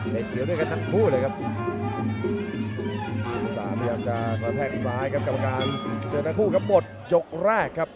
และเดี๋ยวด้วยกันทั้งคู่เลยครับ